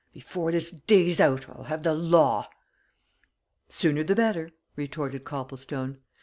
"Before this day's out, I'll have the law!" "Sooner the better," retorted Copplestone.